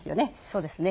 そうですね。